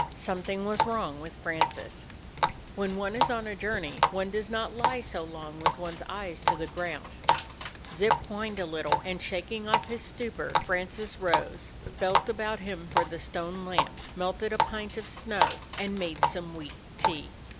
Something was wrong with Francis. When one is on a journey one does not lie so long with one's eyes to the ground. Zip whined a little; and shaking off his stupor, Francis rose, felt about him for the stone lamp, melted a pint of snow, and made some weak tea.